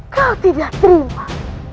kau tidak terima